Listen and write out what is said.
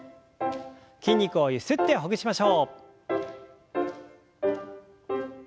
筋肉をゆすってほぐしましょう。